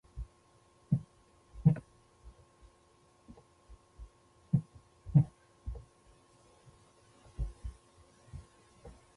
لاسونه د ښو کارونو لپاره دي